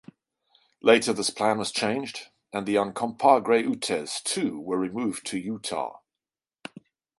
Later this plan was changed, and the Uncompahgre Utes too were removed to Utah.